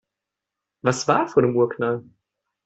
Was war vor dem Urknall?